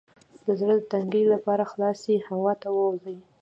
د زړه د تنګي لپاره خلاصې هوا ته ووځئ